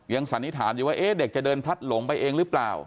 สันนิษฐานอยู่ว่าเด็กจะเดินพลัดหลงไปเองหรือเปล่า